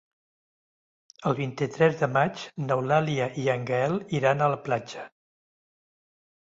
El vint-i-tres de maig n'Eulàlia i en Gaël iran a la platja.